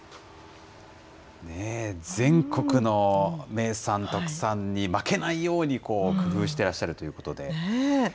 ねぇ、全国の名産、特産に負けないように工夫してらっしゃるということで。